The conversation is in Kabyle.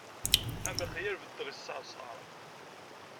Am lexyal beddeɣ i ṣṣerṣer.